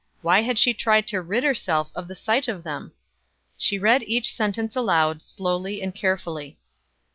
why had she tried to rid herself of the sight of them? She read each sentence aloud slowly and carefully.